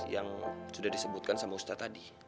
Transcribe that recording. yang sudah disebutkan sama ustadz tadi